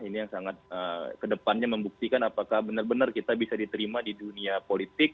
ini yang sangat kedepannya membuktikan apakah benar benar kita bisa diterima di dunia politik